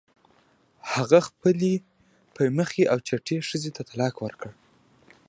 هغه خپلې پی مخې او چټې ښځې ته طلاق ورکړ.